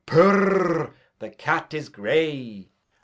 Purr! the cat is gray.